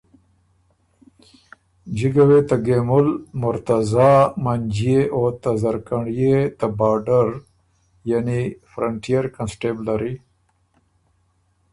جکه وې ته ګېمُل، مرتضیٰ، منجئے او ته زرکنی ته باډر (فرنټئر کنسټېبو لری)